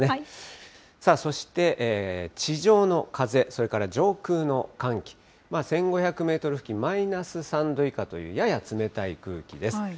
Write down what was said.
そして地上の風、それから上空の寒気、１５００メートル付近、マイナス３度以下という、やや冷たい空気です。